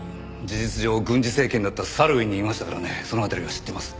事実上軍事政権だったサルウィンにいましたからねその辺りは知ってます。